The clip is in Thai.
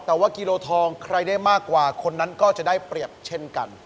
แต่ว่ากิโลทองใครได้มากกว่าคนนั้นก็จะได้เปรียบเช่นกัน